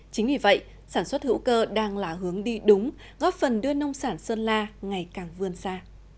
chính vì vậy sản xuất hữu cơ đang là hướng đi đúng góp phần đưa nông sản sơn la ngày càng vươn xa